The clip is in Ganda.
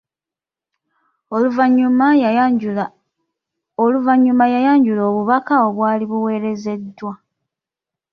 Oluvanyuma yayanjula obubaka obwali buweerezeddwa.